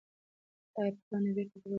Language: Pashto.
ایا پاڼه بېرته تر او تازه کېږي؟